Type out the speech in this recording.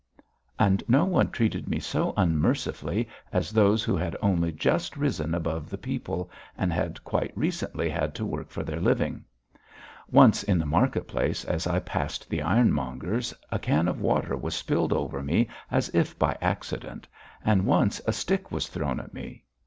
And no one treated me so unmercifully as those who had only just risen above the people and had quite recently had to work for their living. Once in the market place as I passed the ironmonger's a can of water was spilled over me as if by accident, and once a stick was thrown at me.